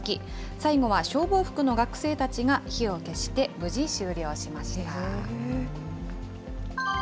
最後は消防服の学生たちが火を消して無事終了しました。